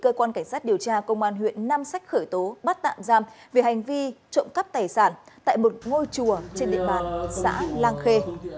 cơ quan cảnh sát điều tra công an huyện nam sách hải dương đã được khởi tố bắt tạm giam về hành vi trộm cắt tài sản tại một ngôi chùa trên địa bàn xã lang khê